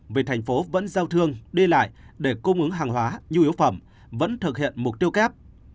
vì thành phố vẫn giao thương đi lại để cung ứng hàng hóa nhu yếu phẩm vẫn thực hiện mục tiêu kép